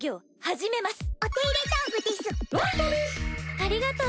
ありがとう。